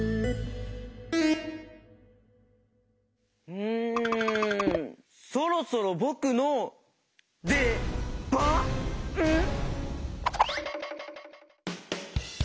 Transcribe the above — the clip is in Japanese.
うんそろそろぼくのでばん？